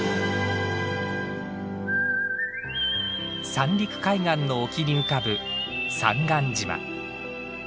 三陸海岸の沖に浮かぶ三貫島。